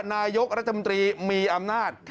นายกรัฐมนตรีมีอำนาจ